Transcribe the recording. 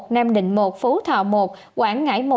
nam định một phú thọ một quảng ngãi một